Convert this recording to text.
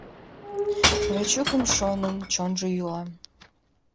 Вачукым шонен чонжо йӱла.